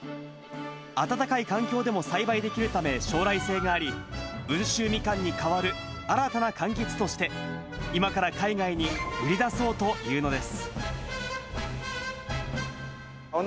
暖かい環境でも栽培できるため、将来性があり、温州ミカンに代わる新たなかんきつとして今から海外に売り出そうというのです。